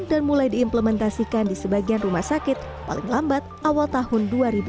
mulai diimplementasikan di sebagian rumah sakit paling lambat awal tahun dua ribu dua puluh